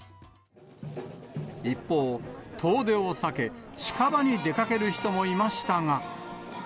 一方、遠出を避け、近場に出かける人もいましたが。